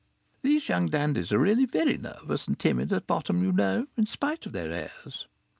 These young dandies are really very nervous and timid at bottom, you know, in spite of their airs.